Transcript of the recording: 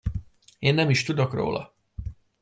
Én nem is tudok róla!